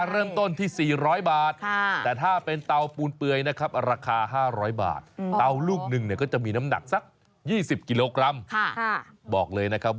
เริ่มต้นที่๔๐๐บาทแต่ถ้าเป็นเตาปูนเปลือยนะครับราคา๕๐๐บาทเตาลูกหนึ่งเนี่ยก็จะมีน้ำหนักสัก๒๐กิโลกรัมบอกเลยนะครับ